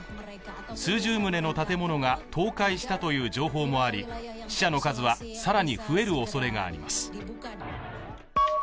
数十棟の建物が倒壊したという情報もあり死者の数は更に増えるおそれがあります。